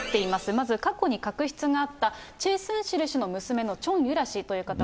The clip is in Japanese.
まず過去に確執があった、チェ・スンシルの娘のチョン・ユラ氏という方が。